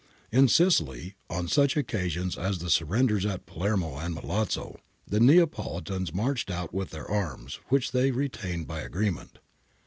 ' In Sicily, on such occasions as the surrenders at Palermo and Milazzo, the Neapolitans marched out with their arms, which they retained by agreement.